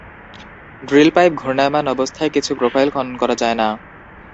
Drill pipe ঘূর্ণায়মান অবস্থায় কিছু প্রোফাইল খনন করা যায় না।